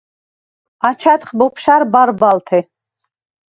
აჩა̈დხ ბოფშა̈რ ბარბალთე.